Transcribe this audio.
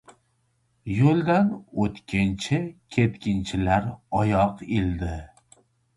Yo‘ldan o‘tkinchi-ketkinchilar oyoq ildi.